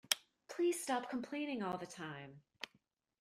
Please stop complaining all the time!